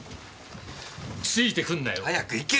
ついてくんなよ！早く行け！